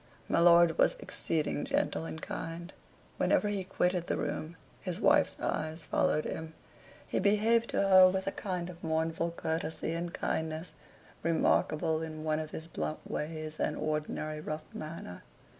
My lord was exceeding gentle and kind. Whenever he quitted the room, his wife's eyes followed him. He behaved to her with a kind of mournful courtesy and kindness remarkable in one of his blunt ways and ordinary rough manner.